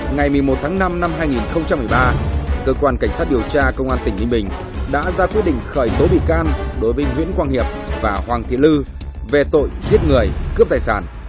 ngày một mươi một tháng năm năm hai nghìn một mươi ba cơ quan cảnh sát điều tra công an tỉnh ninh bình đã ra quyết định khởi tố bị can đối với nguyễn quang hiệp và hoàng thị lư về tội giết người cướp tài sản